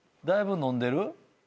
だいぶ飲んでる？